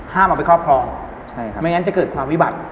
เอาไปครอบครองไม่งั้นจะเกิดความวิบัติ